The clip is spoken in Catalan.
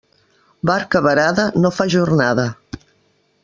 Barca varada no fa jornada.